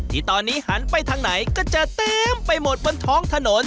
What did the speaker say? ที่ตอนนี้หันไปทางไหนก็จะเต็มไปหมดบนท้องถนน